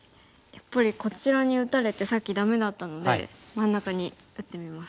やっぱりこちらに打たれてさっきダメだったので真ん中に打ってみます。